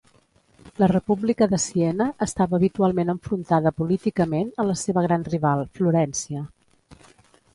La República de Siena estava habitualment enfrontada políticament a la seva gran rival, Florència.